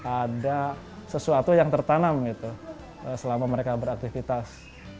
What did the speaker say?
ada sesuatu yang tertanam gitu selama mereka beraktivitas